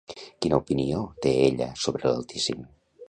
Quina opinió té ella sobre l'Altíssim?